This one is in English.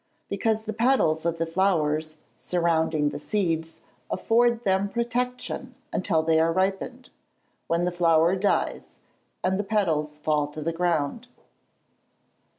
_ Because the petals of the flowers, surrounding the seeds, afford them protection until they are ripened, when the flower dies, and the petals fall to the ground.